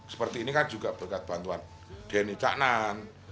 seperti ini kan juga berkat bantuan denny caknan